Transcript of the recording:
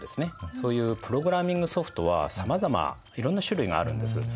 そういうプログラミングソフトはさまざまいろんな種類があるんです。